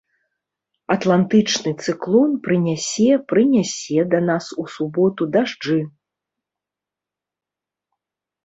Атлантычны цыклон прынясе прынясе да нас у суботу дажджы.